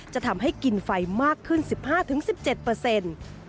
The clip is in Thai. จะทำให้กินไฟมากขึ้น๑๕๑๗เปอร์เซ็นต์